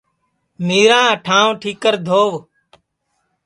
مِیراں ٹھانٚوَ ٹھِیکر دھووَ